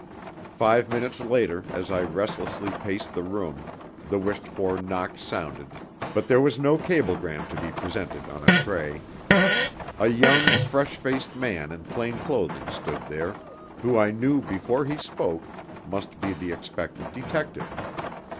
Five minutes later, as I restlessly paced the room, the wished for knock sounded, but there was no cablegram to be presented on a tray. A young, fresh faced man in plain clothing stood there, who I knew before he spoke must be the expected detective.